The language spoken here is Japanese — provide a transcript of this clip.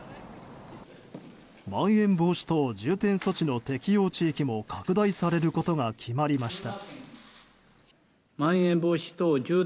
まん延防止等重点措置の適用地域も拡大されることが決まりました。